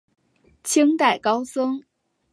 清代高僧。